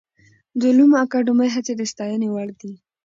د علومو اکاډمۍ هڅې د ستاینې وړ دي.